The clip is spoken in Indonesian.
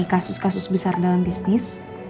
kasus kasus besar dalam bisnis